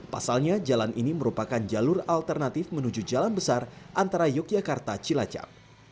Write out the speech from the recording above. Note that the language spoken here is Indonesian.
pasalnya jalan ini merupakan jalur alternatif menuju jalan besar antara yogyakarta cilacap